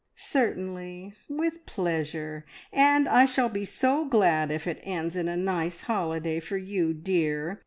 "Certainly, with pleasure; and I shall be so glad if it ends in a nice holiday for you, dear!